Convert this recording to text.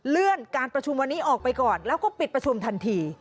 เลื่อนการประชุมวันนี้ออกไปก่อนแล้วก็ปิดประชุมทันที